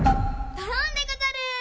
ドロンでござる。